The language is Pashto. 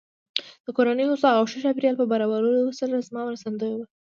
د کورنۍ هوسا او ښه چاپېريال په برابرولو سره زما مرستندويه وه.